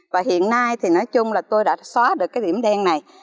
và hiện nay thì nói chung là tôi đã xóa được cái điểm đen này